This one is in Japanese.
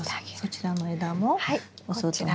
そちらの枝もお外に。